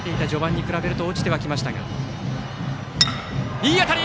いい当たり！